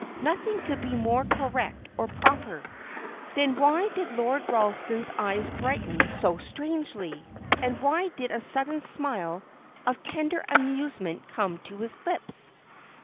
Nothing could be more correct or proper. Then why did Lord Ralston's eyes brighten so strangely, and why did a sudden smile of tender amusement come to his lips?